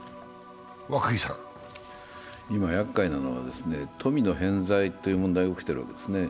今やっかいなのは、富の偏在という問題が起きているんですね。